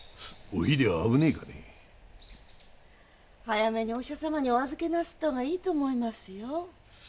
早めにお医者様にお預けなすった方がいいと思いますよ。